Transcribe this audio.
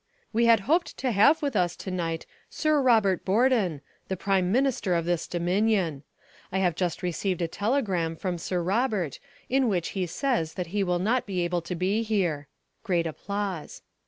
"We had hoped to have with us to night Sir Robert Borden, the Prime Minister of this Dominion. I have just received a telegram from Sir Robert in which he says that he will not be able to be here" (great applause).